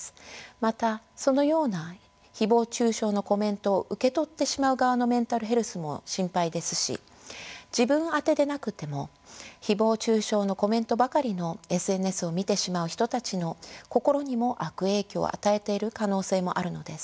またそのような誹謗中傷のコメントを受け取ってしまう側のメンタルヘルスも心配ですし自分あてでなくても誹謗中傷のコメントばかりのＳＮＳを見てしまう人たちの心にも悪影響を与えている可能性もあるのです。